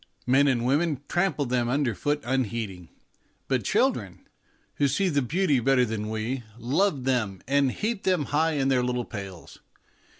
Men and women trample them underfoot unheeding, but children, who can see the beautiful better than we, love them and heap them high in their little pails.